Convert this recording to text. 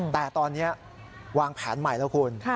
แต่ตอนนี้วางแผนใหม่แล้วคุณ